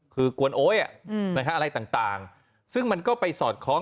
คือกวนโอ๊ยอะไรต่างซึ่งมันก็ไปสอดคล้อง